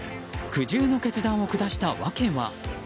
苦渋の決断を下した訳は？